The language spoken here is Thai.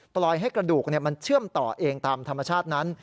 ปล่อยให้กระดูกมันเชื่อมต่อเองตามธรรมชาตินั้น